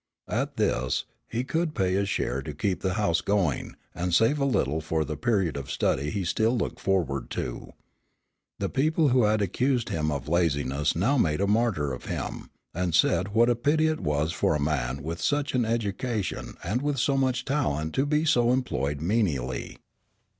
At this, he could pay his share to keep the house going, and save a little for the period of study he still looked forward to. The people who had accused him of laziness now made a martyr of him, and said what a pity it was for a man with such an education and with so much talent to be so employed menially.